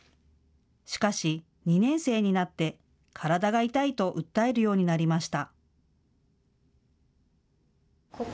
しかし２年生になって体が痛いと訴えるようになりました。